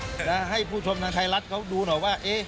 แล้วให้ผู้ชมทางไทยรัฐเขาดูหน่อยว่า